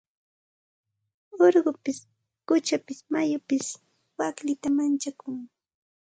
Urqupis quchapis mayupis waklita manchakun.